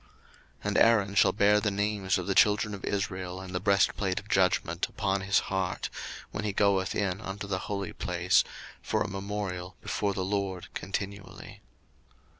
02:028:029 And Aaron shall bear the names of the children of Israel in the breastplate of judgment upon his heart, when he goeth in unto the holy place, for a memorial before the LORD continually.